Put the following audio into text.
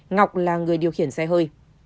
ngọc là người điều khiển xe hơi